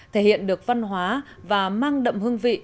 thể hiện được văn hóa và mang đậm hương vị